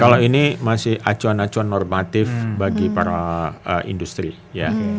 kalau ini masih acuan acuan normatif bagi para industri ya